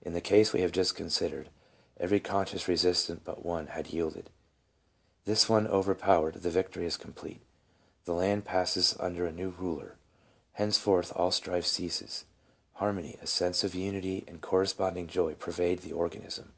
In the case we have just considered, every conscious resistance but one had yielded; this one over powered, the victory is complete, the land passes under a new ruler. Henceforth all strife ceases ; harmony, a sense of unity and corresponding joy pervade the organism.